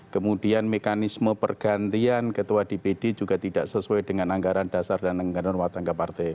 kemudian mekanisme pergantian ketua dpd juga tidak sesuai dengan anggaran dasar dan anggaran rumah tangga partai